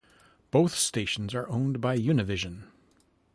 Both stations are owned by Univision.